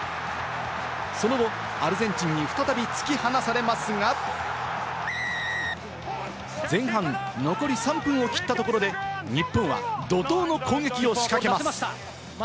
その後、アルゼンチンに再び突き放されますが、前半残り３分を切ったところで、日本は怒涛の攻撃を仕掛けます。